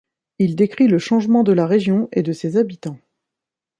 Il décrit le changement de la région et de ses habitants.